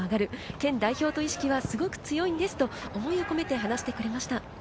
県代表という意識はすごく強いんですということを思いを込めて話してくれました。